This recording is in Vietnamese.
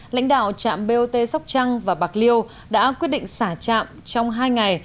lãnh đạo trạm bot sóc trăng và bạc liêu đã quyết định xả trạm trong hai ngày